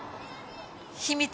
秘密。